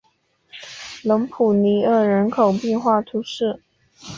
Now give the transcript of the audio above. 隆普尼厄人口变化图示